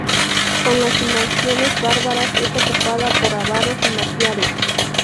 Con las invasiones bárbaras es ocupada por ávaros y magiares.